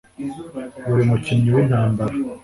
Buri mukinnyi wintambara